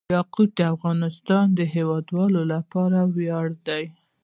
یاقوت د افغانستان د هیوادوالو لپاره ویاړ دی.